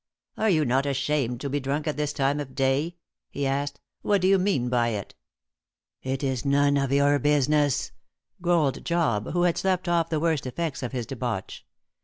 "Are you not ashamed to be drunk at this time of day?" he asked. "What do you mean by it?" "It is none of your business," growled Job, who had slept off the worst effects of his debauch.